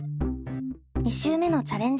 ２週目のチャレンジ